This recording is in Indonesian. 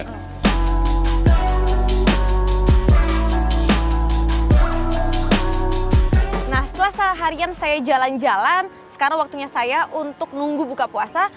nah setelah seharian saya jalan jalan sekarang waktunya saya untuk nunggu buka puasa